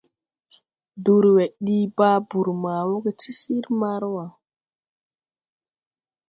Durwe dii babur ma wooge ti sir Marua.